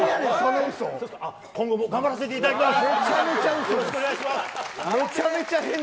今後も頑張らせていただきます。